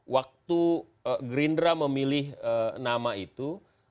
waktu gerindra memilih nama itu